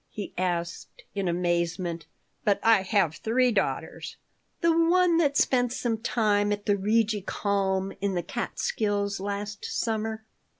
he asked, in amazement. "But I have three daughters." "The one that spent some time at the Rigi Kulm in the Catskills last summer."